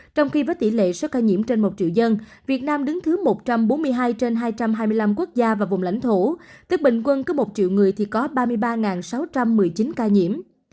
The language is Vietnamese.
trong khi với tỷ lệ số ca nhiễm trên một triệu dân việt nam đứng thứ một trăm bốn mươi hai trên hai trăm hai mươi năm quốc gia và vùng lãnh thổ tức bình quân có một triệu người thì có ba mươi ba sáu trăm một mươi chín ca nhiễm